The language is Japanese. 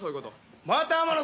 また天野君！